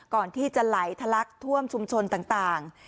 ก่อนที่จะไหลทะลักท่วมชุมชนต่าง